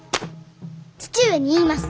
父上に言います。